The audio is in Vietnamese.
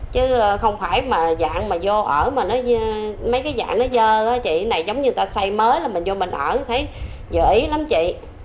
chứ không phải dạng mà vô ở mấy cái dạng nó dơ này giống như ta xây mới là mình vô mình ở thấy dở ý lắm chị